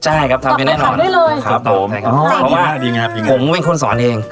ใช่ครับทำได้แน่นอนครับผมใช่ครับเพราะว่าผมเป็นคุณสอนเอง